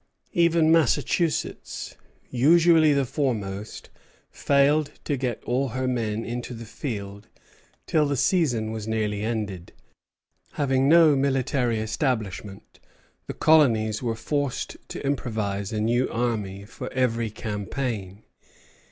Even Massachusetts, usually the foremost, failed to get all her men into the field till the season was nearly ended. Having no military establishment, the colonies were forced to improvise a new army for every campaign.